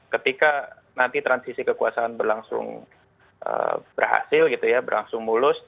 ketika nanti transisi kekuasaan berlangsung berhasil berlangsung mulus